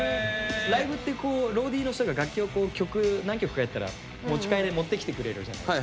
ライブってこうローディーの人が楽器を曲何曲かやったら持ち替えで持ってきてくれるじゃないですか。